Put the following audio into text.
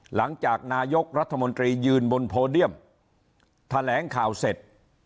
หลังจากนายกรัฐมนตรียืนบนโพเดียมแถลงข่าวเสร็จ